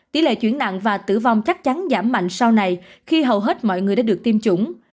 tỷ lệ chuyển nặng và tử vong chắc chắn giảm mạnh sau này khi hầu hết mọi người đã được tiêm chủng